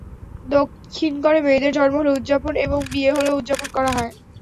দক্ষিণগড়ে মেয়েদের জন্ম হলে উদযাপন, এবং বিয়ে হলেও উদযাপন করা হয়।